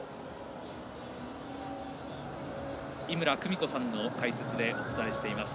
井村久美子さんの解説でお伝えしています。